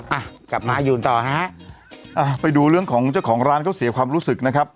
อ่ะกลับมาอยู่ต่อฮะอ่าไปดูเรื่องของเจ้าของร้านเขาเสียความรู้สึกนะครับ